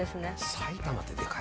「埼玉ってでかいからな」